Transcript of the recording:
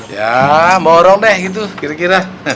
ya morong deh gitu kira kira